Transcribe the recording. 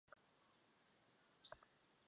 五脉毛叶槭为槭树科槭属下的一个变种。